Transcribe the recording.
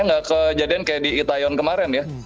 nggak kejadian kayak di itaeon kemarin ya